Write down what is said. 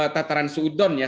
tataran seudon ya